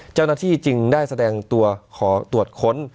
เจ้าหน้าที่จึงได้แสดงตัวขอตรวจค้น